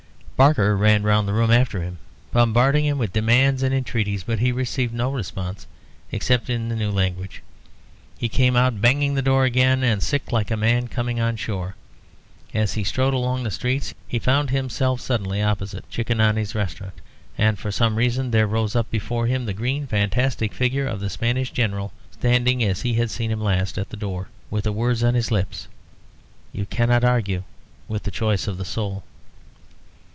Barker ran round the room after him, bombarding him with demands and entreaties. But he received no response except in the new language. He came out banging the door again, and sick like a man coming on shore. As he strode along the streets he found himself suddenly opposite Cicconani's restaurant, and for some reason there rose up before him the green fantastic figure of the Spanish General, standing, as he had seen him last, at the door, with the words on his lips, "You cannot argue with the choice of the soul."